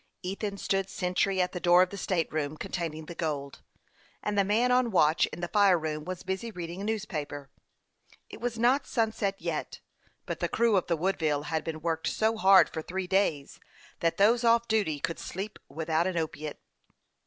Ethan stood sentry at the door of the state room containing the gold, and the man on ,atch in the fire room was busy reading a newspaper. It was not sunset yet, but the crew of the Woodville had been worked so hard for three days, that those off duty could sleep without an opiate.